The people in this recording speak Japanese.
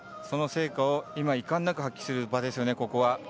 その成果を今、遺憾なく発揮する場ですね、ここは。